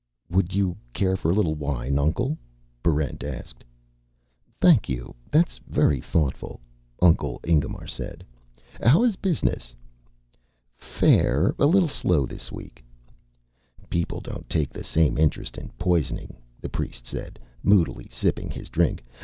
"Would you care for a little wine, Uncle?" Barrent asked. "Thank you, that's very thoughtful," Uncle Ingemar said. "How is business?" "Fair. A little slow this week." "People don't take the same interest in poisoning," the priest said, moodily sipping his drink.